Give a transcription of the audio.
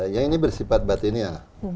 yang ini bersifatnya